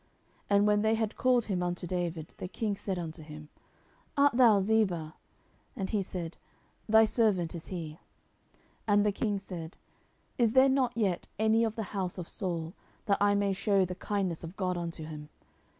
And when they had called him unto David, the king said unto him, Art thou Ziba? And he said, Thy servant is he. 10:009:003 And the king said, Is there not yet any of the house of Saul, that I may shew the kindness of God unto him?